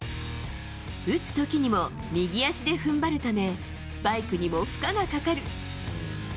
打つときにも右足でふんばるため、スパイクにも負荷がかかる。